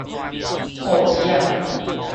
破子仔